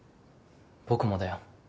僕もだよ。